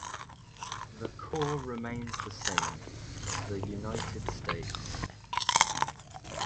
The core remains the same, the United States.